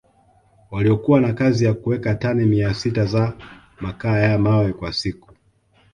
waliokuwa na kazi ya kuweka tani mia sita za makaa ya mawe kwa siku